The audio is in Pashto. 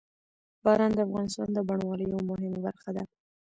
باران د افغانستان د بڼوالۍ یوه مهمه برخه ده.